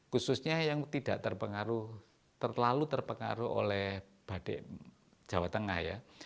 khususnya yang tidak terlalu terpengaruh oleh badik jawa tengah ya